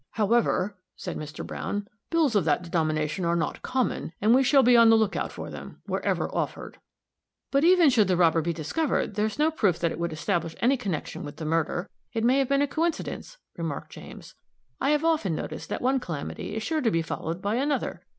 "However," said Mr. Browne, "bills of that denomination are not common, and we shall be on the lookout for them, wherever offered." "But even should the robber be discovered, there is no proof that it would establish any connection with the murder. It may have been a coincidence," remarked James. "I have often noticed that one calamity is sure to be followed by another.